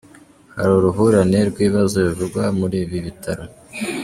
Hari uruhurirane rw’ibibazo bivugwa muri ibi bitaro.